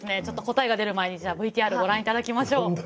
ちょっと答えが出る前にじゃあＶＴＲご覧頂きましょう。